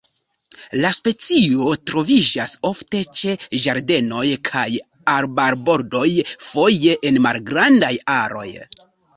La specio troviĝas ofte ĉe ĝardenoj kaj arbarbordoj, foje en malgrandaj aroj.